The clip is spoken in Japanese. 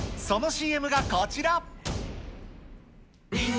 そのＣＭがこちら。